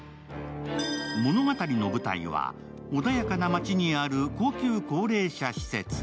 物語の舞台は穏やかな街にある高級高齢者施設。